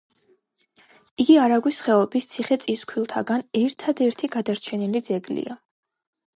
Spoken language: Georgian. იგი არაგვის ხეობის ციხე-წისქვილთაგან ერთადერთი გადარჩენილი ძეგლია.